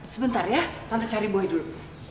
sebentar ya tante cari boy dulu